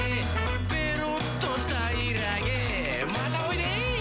「ペロっとたいらげまたおいで」